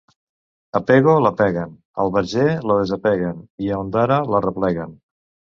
A Pego l'apeguen, al Verger la desapeguen i a Ondara l'arrepleguen.